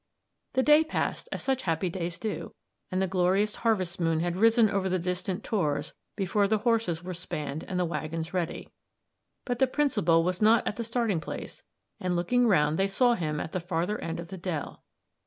The day passed as such happy days do, and the glorious harvest moon had risen over the distant tors before the horses were spanned and the waggons ready. But the Principal was not at the starting place, and looking round they saw him at the farther end of the dell.